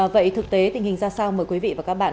vậy thực tế tình hình ra sao mời quý vị và các bạn